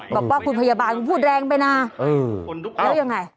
บอกว่าคุณพยาบาลคุณพูดแรงไปนะแล้วยังไง